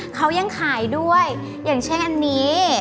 เขายังขายด้วยอย่างเช่นอันนี้